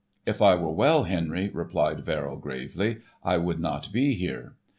"If I were well, Henry," answered Verrill gravely, "I would not be here."